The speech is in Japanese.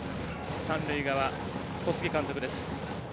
三塁側、小菅監督です。